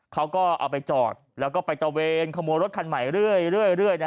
เขาก็เอาไปจอดแล้วก็ไปตะเวนขโมยรถคันใหม่เรื่อย